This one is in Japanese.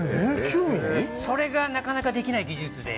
それがなかなかできない技術で。